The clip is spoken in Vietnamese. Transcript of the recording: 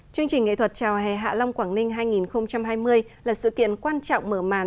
chương trình nghệ thuật chào hè hạ long quảng ninh hai nghìn hai mươi là sự kiện quan trọng mở màn